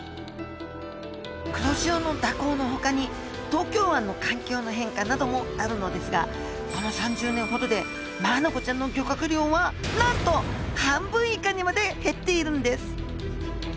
黒潮の蛇行のほかに東京湾の環境の変化などもあるのですがこの３０年ほどでマアナゴちゃんの漁獲量はなんと半分以下にまで減っているんです